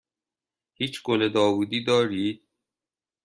هیچ گل داوودی دارید؟